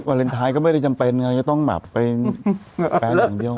วาเลนไทยก็ไม่ได้จำเป็นไงจะต้องแบบไปแฟนอย่างเดียว